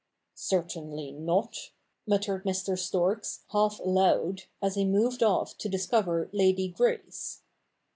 ' Certainly not,' muttered Mr. Storks, half aloud, as he moved off to discover Lady Grace.